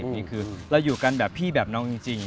นี่คือเราอยู่กันแบบพี่แบบน้องจริง